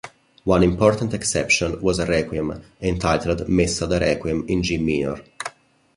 One important exception was a Requiem, entitled "Messa da Requiem in G minor".